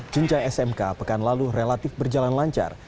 juncai smk pekan lalu relatif berjalan lancar